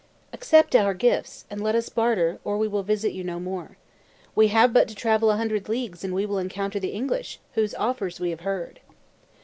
Accept our gifts, and let us barter, or we will visit you no more. We have but to travel a hundred leagues and we will encounter the English, whose offers we have heard."